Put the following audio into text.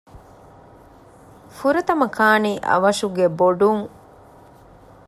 ފުރަތަމަ ކާނީ އަވަށުގެ ބޮޑުން